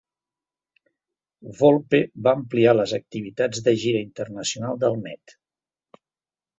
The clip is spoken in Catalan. Volpe va ampliar les activitats de gira internacional del Met.